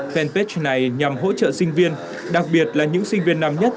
fanpage này nhằm hỗ trợ sinh viên đặc biệt là những sinh viên năm nhất